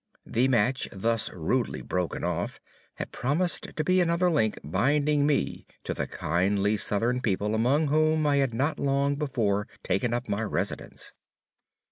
The match thus rudely broken off had promised to be another link binding me to the kindly Southern people among whom I had not long before taken up my residence.